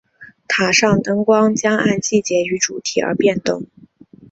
塔上灯光将按季节与主题而变动。